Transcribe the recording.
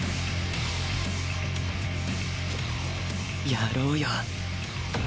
やろうよ